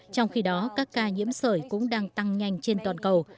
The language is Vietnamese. trong khi đó các ca nhiễm sởi cũng đang tăng nhanh trên toàn cầu